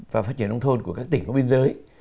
và phát triển nông thôn của các tỉnh có biên giới